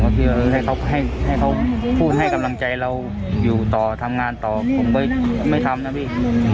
ผมก็คิดว่าเออให้เขาให้เขาพูดให้กำลังใจเราอยู่ต่อทำงานต่อผมไม่ทำนะพี่อืม